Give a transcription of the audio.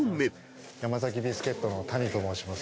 ヤマザキビスケットのタニと申します。